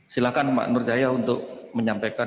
silakan mak nur jaya untuk menyampaikan